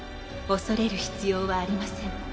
恐れる必要はありません。